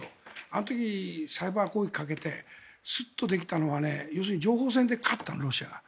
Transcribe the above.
あの時、サイバー攻撃をかけてスッとできたのは要するに情報戦で勝ったの、ロシアが。